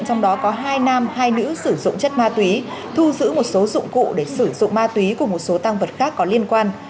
trong đó có hai nam hai nữ sử dụng chất ma túy thu giữ một số dụng cụ để sử dụng ma túy cùng một số tăng vật khác có liên quan